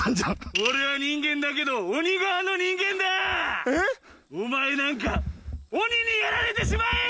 俺は人間だけどお前なんか鬼にやられてしまえー！